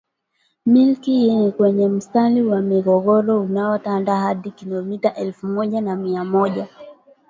Milki hii ni kwenye mstari wa migogoro unaotanda hadi kilomita elfu moja na mia moja